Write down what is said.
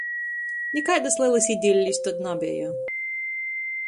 Nikaidys lelys idillis tod nabeja!